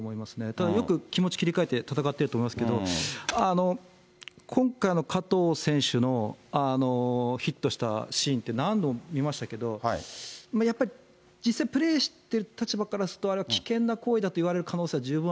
ただ、よく気持ち切り替えて、戦ってると思いますけど、今回の、加藤選手のヒットしたシーンって、何度も見ましたけど、やっぱり実際プレーしてる立場からすると、あれは危険な行為だとそうなんですか。